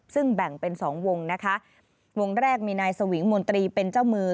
ซึ่งแบ่งเป็นสองวงนะคะวงแรกมีนายสวิงมนตรีเป็นเจ้ามือ